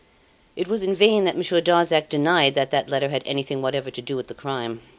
It was in vain that Monsieur Darzac denied that that letter had anything whatever to do with the crime.